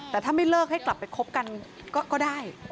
แต่ถ้าไม่เลิกให้กลับไปคบกันก็ได้